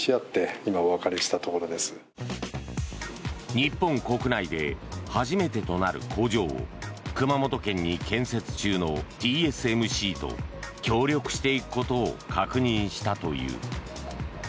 日本国内で初めてとなる工場を熊本県に建設中のＴＳＭＣと協力していくことを確認したという。